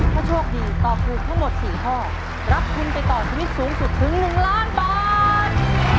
ถ้าโชคดีตอบคลุมทั้งหมด๔ข้อรับคลุมไปต่อชีวิตสูงสุดถึง๑๐๐๐๐๐๐บาท